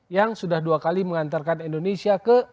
yang sudah dua kali mengantarkan indonesia ke